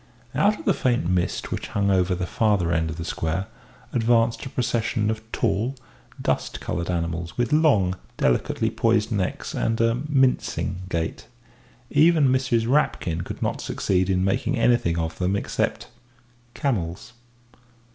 Out of the faint mist which hung over the farther end of the square advanced a procession of tall, dust coloured animals, with long, delicately poised necks and a mincing gait. Even Mrs. Rapkin could not succeed in making anything of them except camels.